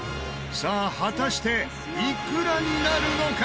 さあ果たしていくらになるのか？